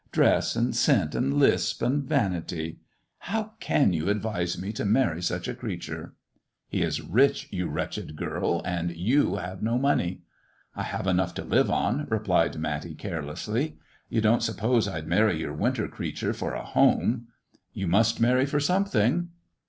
Dress, and scent, and lisp, and vanity 1 How can you advise me to marry such a creature 1 " "He is rich, you wretched girl, and you have no money." " I have enough to live on," replied Matty, carelessly. " You don't suppose I'd marry your Winter creature for a home?" "You must marry for something."